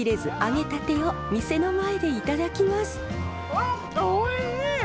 あっおいしい！